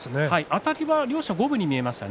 あたりは両者五分に見えましたね。